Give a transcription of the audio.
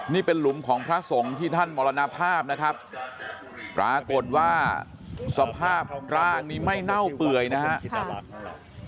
นี่เป็นหลุมของพระสงฆ์ที่ท่านมรณภาพนะครับปรากฏว่าสภาพร่างนี้ไม่เน่าเปื่อยนะครับ